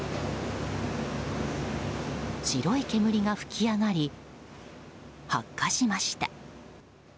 白い煙が吹き上がり発火しました。